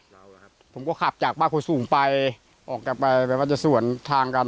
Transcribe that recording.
เราอะครับผมก็ขับจากบ้านคนสูงไปออกจะไปแบบว่าจะสวนทางกัน